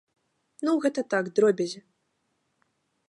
Ну гэта так, дробязі.